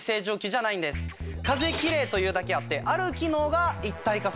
風きれいというだけあってある機能が一体化されてます。